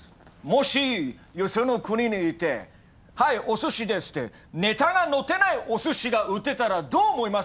もしよその国に行って「はいお寿司です」ってネタがのってないお寿司が売ってたらどう思いますか？